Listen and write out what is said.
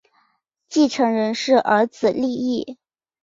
继承人是儿子利意。